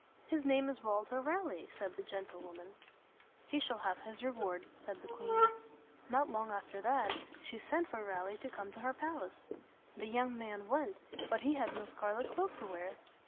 "His name is Walter Raleigh," said the gentle woman. "He shall have his reward," said the queen. Not long after that, she sent for Raleigh to come to her pal ace. The young man went, but he had no scarlet cloak to wear.